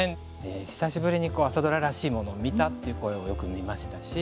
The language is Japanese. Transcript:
久しぶりに朝ドラらしいものを見たっていう声をよく見ましたし